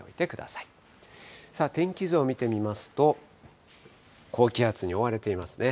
さあ天気図を見てみますと、高気圧に覆われていますね。